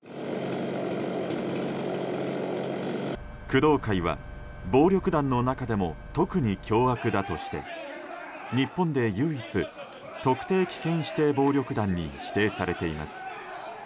工藤会は暴力団の中でも特に凶悪だとして日本で唯一特定危険指定暴力団に指定されています。